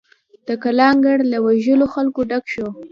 د کلا انګړ له ویرژلو خلکو ډک شو.